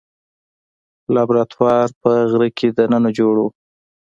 لابراتوار په غره کې دننه جوړ و.